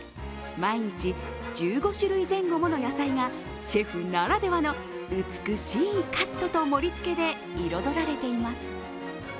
毎日１５種類前後もの野菜がシェフならではの美しいカットと盛りつけで彩られています。